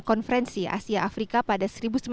konferensi asia afrika pada seribu sembilan ratus sembilan puluh